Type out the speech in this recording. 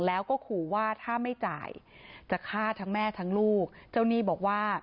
แล้วก็ขู่ว่าถ้าไม่จ่ายจะฆ่าทั้งแม่ทั้งลูกเจ้าหนี้บอกว่า